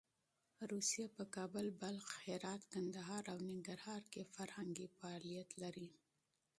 روسیه په کابل، بلخ، هرات، کندهار او ننګرهار کې فرهنګي فعالیت لري.